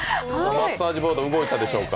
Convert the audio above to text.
マッサージボード動いたでしょうか。